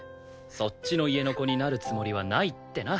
そっちの家の子になるつもりはないってな。